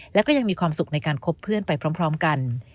และก็ยังมีความสุขในการคบเพื่อนไปพร้อมกัน